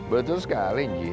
betul sekali den